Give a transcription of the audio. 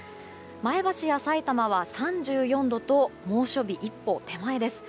前橋やさいたまは３４度と猛暑日一歩手前です。